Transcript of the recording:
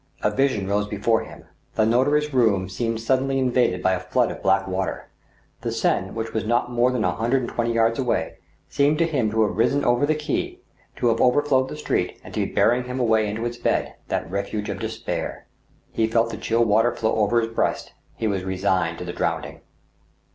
A vision rose before him. The notary's room seemed suddenly invaded by a flood of black vsrater. The Seine, which was not more than a hundred and twenty yards away, seemed to him to have risen over the quay, to have overflowed the street, to be bearing him away into its bed, that refuge of despair. He felt the chill water flow over his breast ; he was resigned to drowning.